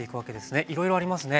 いろいろありますね。